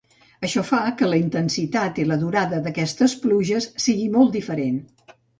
Això fa que la intensitat i la durada d'aquestes pluges sigui molt diferent.